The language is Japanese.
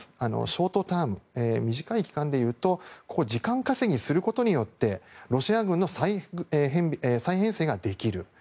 ショートターム短い期間でいうと時間稼ぎすることによってロシア軍の再編成ができる。